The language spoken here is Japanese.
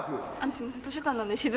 すいません。